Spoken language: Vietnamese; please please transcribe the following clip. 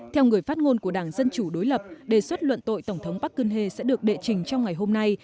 theo người phát ngôn của đảng dân chủ đối lập đề xuất luận tội tổng thống park geun hye sẽ được đệ trình trong ngày hôm nay